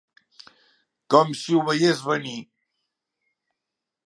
Com si ho veiés venir.